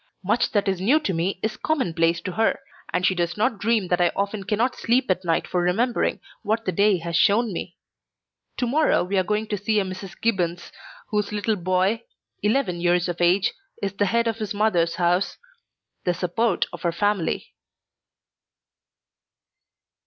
Much that is new to me is commonplace to her; and she does not dream that I often cannot sleep at night for remembering what the day has shown me. To morrow we are going to see a Mrs. Gibbons, whose little boy, eleven years of age, is the head of his mother's house the support of her family.